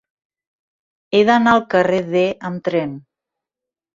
He d'anar al carrer D amb tren.